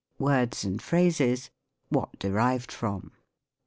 WORDS AND PHRASES. WHAT DERIVED FROM.